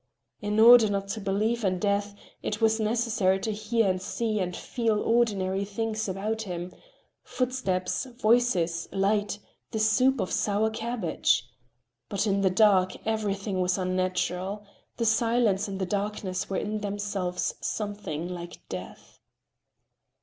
In order not to believe in death, it was necessary to hear and see and feel ordinary things about him, footsteps, voices, light, the soup of sour cabbage. But in the dark everything was unnatural; the silence and the darkness were in themselves something like death.